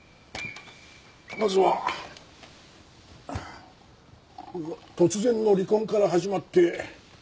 まずは突然の離婚から始まって。